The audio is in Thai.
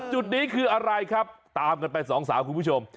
จุดนี้คืออะไรครับตามกันไปสองสาวคุณผู้ชม